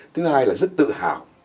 thứ hai là rất tự hào